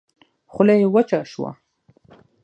خوله يې وچه شوه.